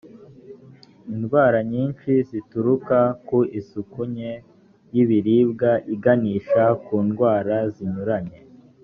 indwara nyinshi zituruka ku isuku nke y ibiribwa iganisha ku ndwara zinyuranye